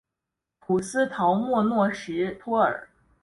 普斯陶莫诺什托尔。